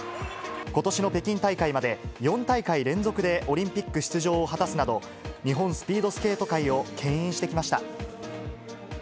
ことしの北京大会まで４大会連続でオリンピック出場を果たすなど、日本スピードスケート界をけん引してきました。